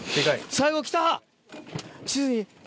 最後きた！